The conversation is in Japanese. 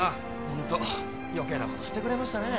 ・ホント余計なことしてくれましたね